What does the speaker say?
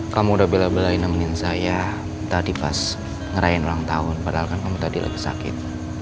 kamu udah bela belain nemenin saya tadi pas ngerahin ulang tahun padahal kan kamu tadi lebih sakit